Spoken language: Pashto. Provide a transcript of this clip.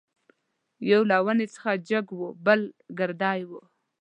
یو له ونې څخه جګ وو بل ګردی وو.